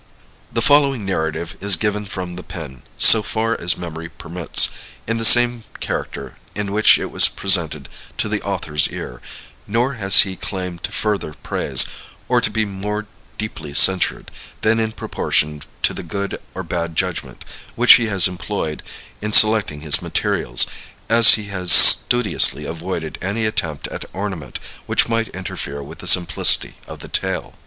The following narrative is given from the pen, so far as memory permits, in the same character in which it was presented to the author's ear; nor has he claim to further praise, or to be more deeply censured, than in proportion to the good or bad judgment which he has employed in selecting his materials, as he has studiously avoided any attempt at ornament which might interfere with the simplicity of the tale.